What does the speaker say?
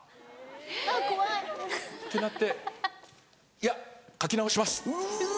・あっ怖い・ってなって「いや書き直します」。